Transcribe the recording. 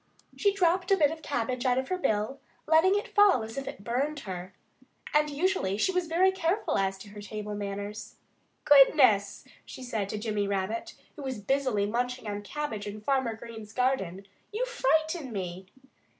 She dropped a bit of cabbage out of her bill, letting it fall as if it burned her. And usually she was very careful as to her table manners. "Goodness!" she said to Jimmy Rabbit, who was busily munching cabbage in Farmer Green's garden. "You frighten me!"